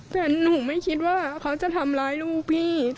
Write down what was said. แต่หนูไม่คิดว่าเขาจะทำร้ายลูกพี่